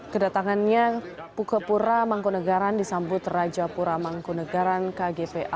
kedatangannya pura mangkunagaran disambut raja pura mangkunagaran kgpaa